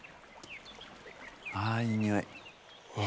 いいにおい。